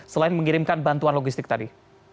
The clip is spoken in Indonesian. selain mengirimkan bantuan logistik tadi